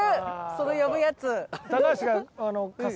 その呼ぶやつ。